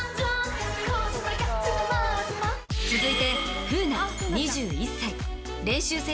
続いて。